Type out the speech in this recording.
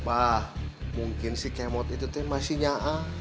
mbak mungkin si kemot itu neng masih nyaa